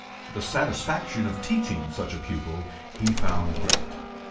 The satisfaction of teaching such a pupil he found great.